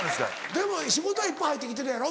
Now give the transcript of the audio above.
でも仕事はいっぱい入って来てるやろ？